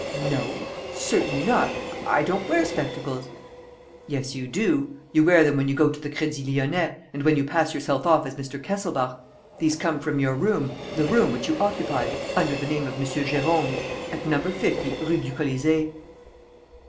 "No ... certainly not. ... I don't wear spectacles. ..." "Yes, you do; you wear them when you go to the Crédit Lyonnais and when you pass yourself off as Mr. Kesselbach. These come from your room, the room which you occupy, under the name of M. Jérôme, at No. 50 Rue du Colisee."